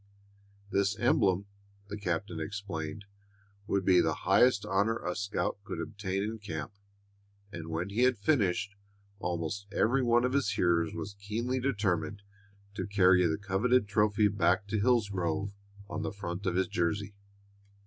This emblem, the captain explained, would be the highest honor a scout could obtain in camp, and when he had finished, almost every one of his hearers was keenly determined to carry the coveted trophy back to Hillsgrove on the front of his jersey.